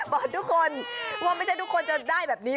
บอกทุกคนว่าไม่ใช่ทุกคนจะได้แบบนี้